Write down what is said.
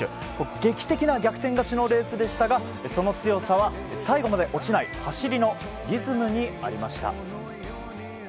劇的な逆転勝ちのレースでしたがその強さは最後まで落ちない走りのリズムにありました。